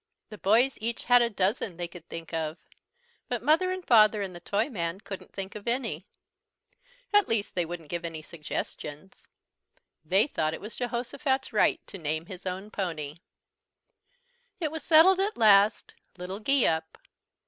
The boys each had a dozen they could think of, but Mother and Father and the Toyman couldn't think of any. At least they wouldn't give any suggestions. They thought it was Jehosophat's right to name his own pony. It was settled at last, "Little Geeup."